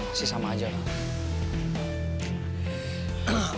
masih sama aja ma